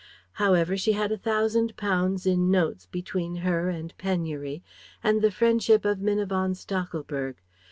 However she had a thousand pounds (in notes) between her and penury, and the friendship of Minna von Stachelberg.